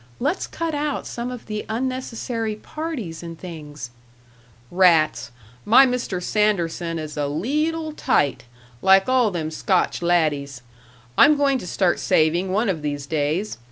Let's cut out some of the unnecessary parties and things " "Rats! My Mr. Sanderson is a leet le tight, like all them Scotch laddies. I'm going to start saving one of these days.